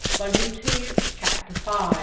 Volume Two, Chapter V.